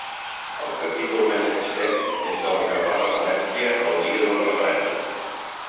El capítol més extens és el que fa referència al dia del referèndum.